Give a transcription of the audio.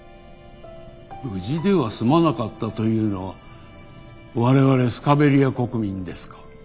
無事では済まなかったというのは我々スカベリア国民ですか？